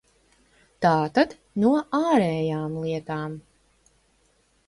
Tātad – no ārējām lietām.